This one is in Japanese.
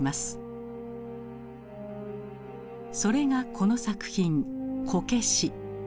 それがこの作品「こけし」。